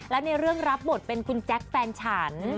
และในเรื่องรับบทเป็นคุณแจ๊คแฟนฉัน